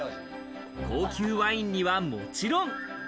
高級ワインには、もちろん。